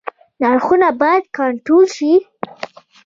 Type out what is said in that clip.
نرخونه باید کنټرول شي